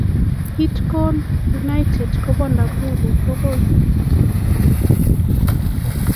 Bidgo united ko pa nakuru tugul